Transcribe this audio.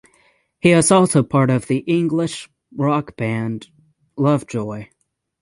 He is also part of the English rock band Lovejoy.